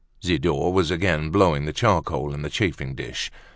Zidore was again blowing the charcoal in the chafing dish.